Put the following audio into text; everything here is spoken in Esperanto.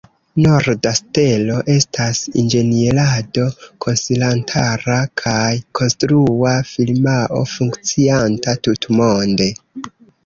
Norda Stelo estas inĝenierado-konsilantara kaj konstrua firmao funkcianta tutmonde.